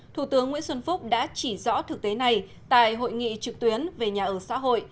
thủ tướng nguyễn xuân phúc đã chỉ rõ thực tế này tại hội nghị trực tuyến về nhà ở xã hội